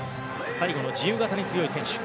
最後の自由形が強い選手。